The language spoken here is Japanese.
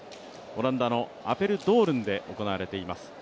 オランダのアペルドールンで行われています。